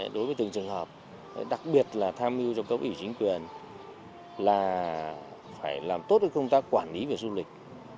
đối với từng trường hợp đặc biệt là tham mưu trong cấp ủy chính quyền là phải làm tốt công tác quản lý về du lịch